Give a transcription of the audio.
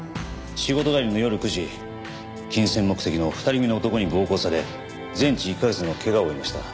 仕事帰りの夜９時金銭目的の２人組の男に暴行され全治１カ月の怪我を負いました。